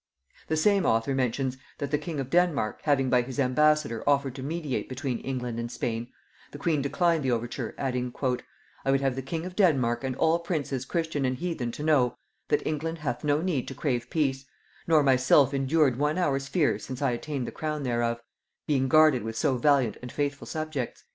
'" The same author mentions, that the king of Denmark having by his ambassador offered to mediate between England and Spain, the queen declined the overture, adding, "I would have the king of Denmark and all princes Christian and Heathen to know, that England hath no need to crave peace; nor myself indured one hour's fear since I attained the crown thereof, being guarded with so valiant and faithful subjects."